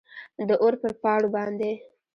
داور پر پاڼو باندي ،